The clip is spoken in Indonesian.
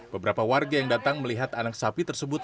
beberapa warga yang datang melihat anak sapi tersebut